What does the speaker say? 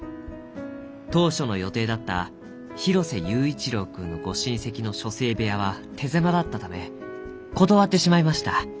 当初の予定だった広瀬佑一郎君のご親戚の書生部屋は手狭だったため断ってしまいました」。